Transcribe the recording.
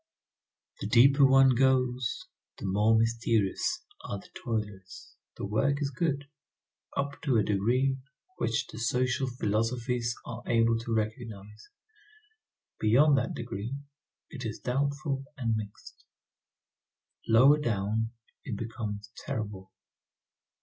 The deeper one goes, the more mysterious are the toilers. The work is good, up to a degree which the social philosophies are able to recognize; beyond that degree it is doubtful and mixed; lower down, it becomes terrible.